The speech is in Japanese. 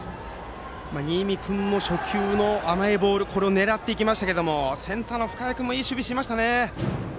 新美君の初球の甘いボールを狙っていきましたがセンターの深谷君もいい守備してましたね。